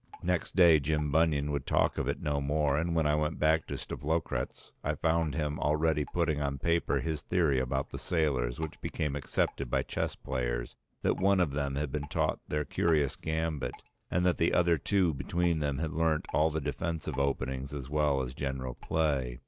Next day Jim Bunion would talk of it no more; and when I went back to Stavlokratz I found him already putting on paper his theory about the sailors, which became accepted by chess players, that one of them had been taught their curious gambit and that the other two between them had learnt all the defensive openings as well as general play.